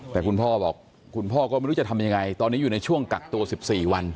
แต่คุณพ่อบอกคุณพ่อก็ไม่รู้จะทำยังไงตอนนี้อยู่ในช่วงกักตัว๑๔วัน